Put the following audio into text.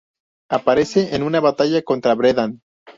Aparece en una batalla contra Brendan.